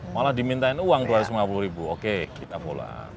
malah dimintain uang dua ratus lima puluh ribu oke kita pulang